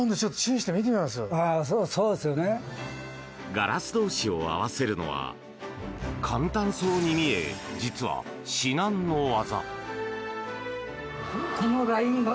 ガラス同士を合わせるのは簡単そうに見え実は至難の業。